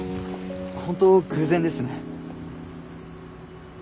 本当偶然ですね。